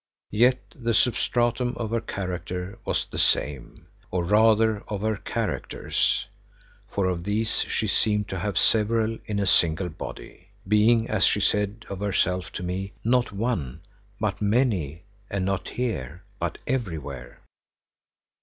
Yet the substratum of her character was the same, or rather of her characters, for of these she seemed to have several in a single body, being, as she said of herself to me, "not One but Many and not Here but Everywhere."